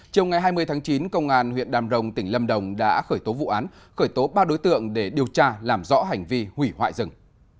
chiều ngày hai mươi tháng chín công an huyện đàm rồng tỉnh lâm đồng đã khởi tố vụ án khởi tố ba đối tượng để điều tra làm rõ hành vi hủy hoại rừng